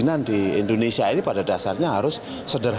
dan kita juga semua perizinan di indonesia ini pada dasarnya harus sederhana